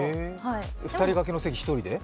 ２人がけの席１人で？